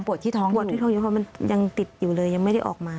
ที่ท้องปวดที่ท้องอยู่เพราะมันยังติดอยู่เลยยังไม่ได้ออกมา